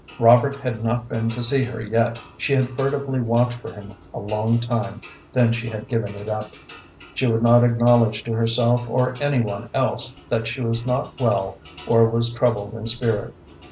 Robert had not been to see her yet. She had furtively watched for him a long time, then she had given it up. She would not acknowledge to herself or any one else that she was not well or was troubled in spirit.